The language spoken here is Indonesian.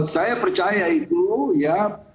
saya percaya itu ya